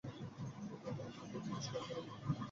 এ কথা মোহিনীকে জিজ্ঞাসা করিতে হইবে।